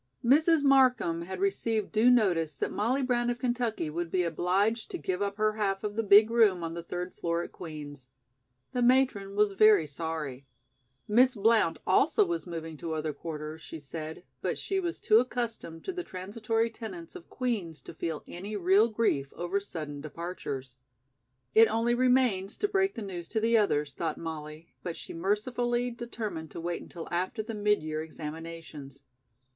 Mrs. Markham had received due notice that Molly Brown of Kentucky would be obliged to give up her half of the big room on the third floor at Queen's. The matron was very sorry. Miss Blount also was moving to other quarters, she said; but she was too accustomed to the transitory tenants of Queen's to feel any real grief over sudden departures. "It only remains to break the news to the others," thought Molly, but she mercifully determined to wait until after the mid year examinations.